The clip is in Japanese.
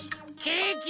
ケーキ。